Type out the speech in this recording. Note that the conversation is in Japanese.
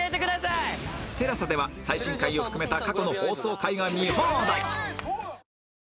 ＴＥＬＡＳＡ では最新回を含めた過去の放送回が見放題